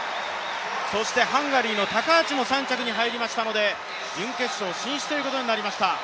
そしてハンガリーのタカーチも３着に入りましたので準決勝進出ということになりました。